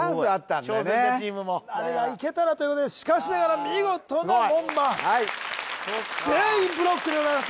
挑戦者チームもあれがいけたらということでしかしながら見事の門番はい全員ブロックでございます